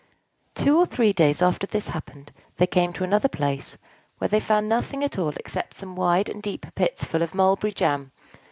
Two or three days after this had happened, they came to another place, where they found nothing at all except some wide and deep pits full of mulberry jam.